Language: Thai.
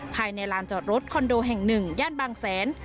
ภายในลานจอดรถคอนโดแห่ง๑ย่านบางแสน